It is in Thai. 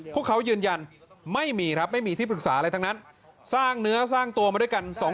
พวกเขายืนยันไม่มีครับไม่มีที่ปรึกษาอะไรทั้งนั้นสร้างเนื้อสร้างตัวมาด้วยกัน